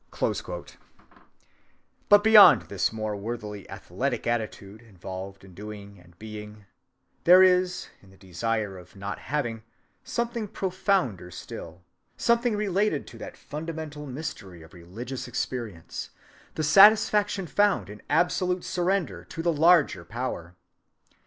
"(194) But beyond this more worthily athletic attitude involved in doing and being, there is, in the desire of not having, something profounder still, something related to that fundamental mystery of religious experience, the satisfaction found in absolute surrender to the larger power.